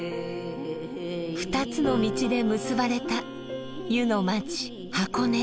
２つの道で結ばれた湯の町箱根。